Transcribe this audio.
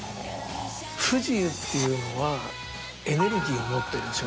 不自由っていうのはエネルギーを持ってるんですよね。